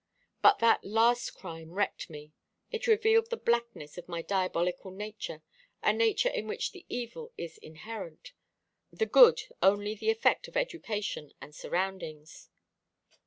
But that last crime wrecked me. It revealed the blackness of my diabolical nature a nature in which the evil is inherent, the good only the effect of education and surroundings.